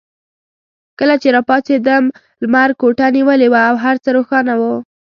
کله چې راپاڅېدم لمر کوټه نیولې وه او هر څه روښانه وو.